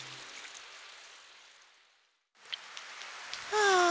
ああ